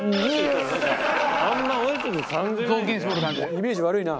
イメージ悪いな。